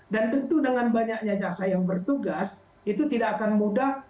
dan tentu dengan banyaknya jaksa yang bertugas itu tidak akan mudah